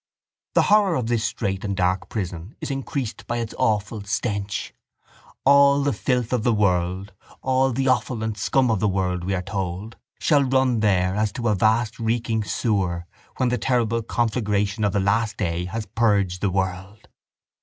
—The horror of this strait and dark prison is increased by its awful stench. All the filth of the world, all the offal and scum of the world, we are told, shall run there as to a vast reeking sewer when the terrible conflagration of the last day has purged the world.